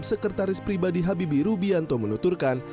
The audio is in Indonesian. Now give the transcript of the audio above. sekretaris pribadi habibi rubianto menuturkan